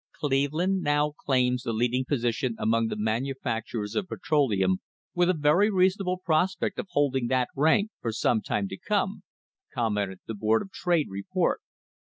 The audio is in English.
"Cleveland now claims the leading position among the manufacturers of petro leum with a very reasonable prospect of holding that rank for some time to come," commented the Board of Trade report.